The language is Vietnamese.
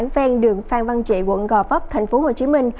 vang đường phan văn trị quận gò phấp tp hcm